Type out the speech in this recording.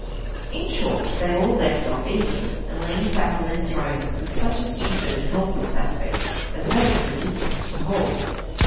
In short, they all left off eating, and leaned back on their thrones, with such a stupid and helpless aspect as made them ridiculous to behold.